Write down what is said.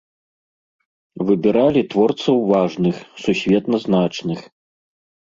Выбіралі творцаў важных, сусветна значных.